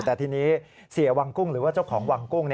แต่ทีนี้เสียวังกุ้งหรือว่าเจ้าของวังกุ้ง